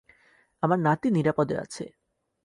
আমার নাতি নিরাপদে আছে।